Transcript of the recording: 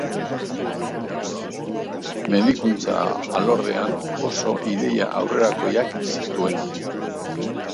Medikuntza alorrean oso ideia aurrerakoiak zituen.